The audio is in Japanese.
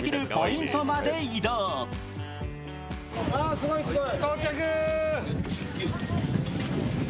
すごいすごい。